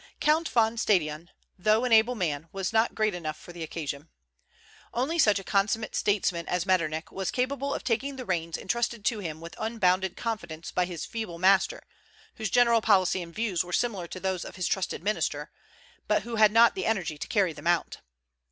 Count von Stadion, though an able man, was not great enough for the occasion. Only such a consummate statesman as Metternich was capable of taking the reins intrusted to him with unbounded confidence by his feeble master, whose general policy and views were similar to those of his trusted minister, but who had not the energy to carry them out.